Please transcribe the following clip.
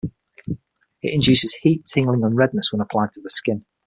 It induces heat, tingling and redness when applied to the skin.